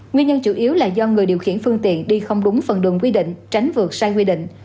nguyên nhân chủ yếu là do người điều khiển phương tiện đi không đúng phần đường quy định tránh vượt sai quy định